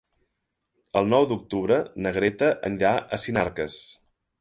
El nou d'octubre na Greta anirà a Sinarques.